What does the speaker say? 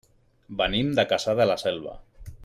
Venim de Cassà de la Selva.